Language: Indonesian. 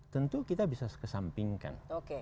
tentu kita bisa kesampingkan